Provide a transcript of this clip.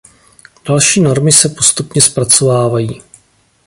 Další normy se postupně zpracovávají.